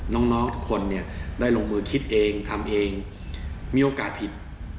น้องทุกคนเนี่ยได้ลงมือคิดเองทำเองมีโอกาสผิด